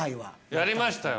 やりましたよ